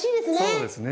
そうですね。